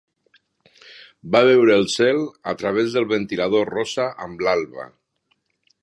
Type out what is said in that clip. Va veure el cel a través del ventilador rosa amb l'alba.